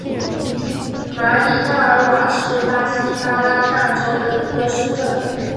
马里亚尔瓦是巴西巴拉那州的一个市镇。